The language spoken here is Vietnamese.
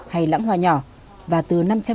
hay lãng hoa nhỏ và từ